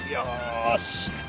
よし。